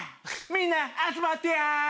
みんな集まってや！